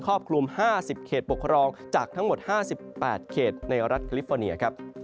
รอบคลุม๕๐เขตปกครองจากทั้งหมด๕๘เขตในรัฐแคลิฟอร์เนียครับ